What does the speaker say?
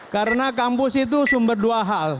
karena kampus itu sumber dua hal